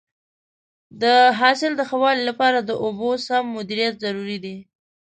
د حاصل د ښه والي لپاره د اوبو سم مدیریت ضروري دی.